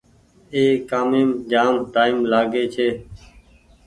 اي ڪآميم جآم ٽآئيم لآگي ڇي۔